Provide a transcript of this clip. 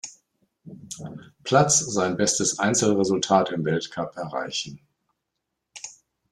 Platz sein bestes Einzelresultat im Weltcup erreichen.